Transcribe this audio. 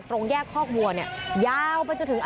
ตรงแยกคอกวัวเนี่ยยาวไปจนถึง